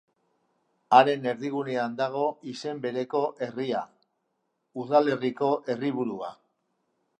Haren erdigunean dago izen bereko herria, udalerriko herriburua.